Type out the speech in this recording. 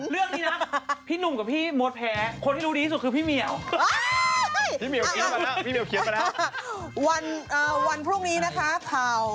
วันหรือวันพรุ่งนี้นะคะ